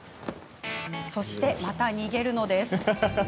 そして、また逃げるのです。